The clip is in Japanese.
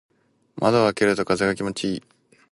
窓を開けると風が気持ちいい。